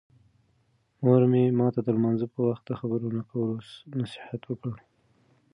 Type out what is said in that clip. مور مې ماته د لمانځه په وخت د خبرو نه کولو نصیحت وکړ.